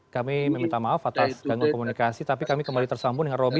kami meminta maaf atas gangguan komunikasi tapi kami kembali tersambung dengan roby